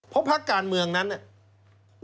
เพราะภาคการเมืองนั้นเนี่ย